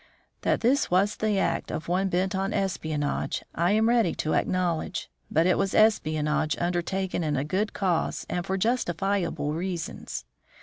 That this was the act of one bent on espionage I am ready to acknowledge, but it was espionage undertaken in a good cause and for justifiable reasons.